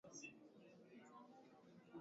ni sehemu ya beseni la Nile